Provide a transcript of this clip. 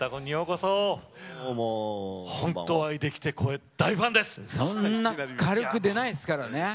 そんな軽く出ないですからね。